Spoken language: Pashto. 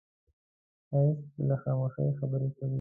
ښایست له خاموشۍ خبرې کوي